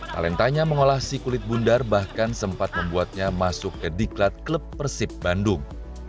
talentanya mengolah si kulit bundar bahkan sempat membuatnya masuk ke diklat klub persib bandung